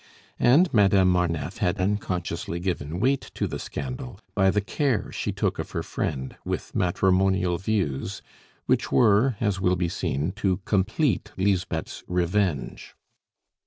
And Madame Marneffe had unconsciously given weight to the scandal by the care she took of her friend, with matrimonial views, which were, as will be seen, to complete Lisbeth's revenge.